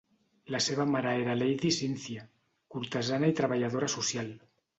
La seva mare era Lady Cynthia, cortesana i treballadora social.